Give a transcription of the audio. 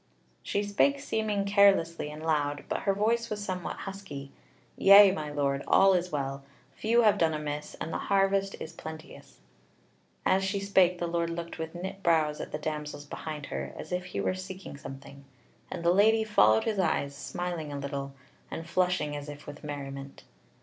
She spake seeming carelessly and loud; but her voice was somewhat husky: "Yea, my Lord, all is well; few have done amiss, and the harvest is plenteous." As she spake the Lord looked with knit brows at the damsels behind her, as if he were seeking something; and the Lady followed his eyes, smiling a little and flushing as if with merriment.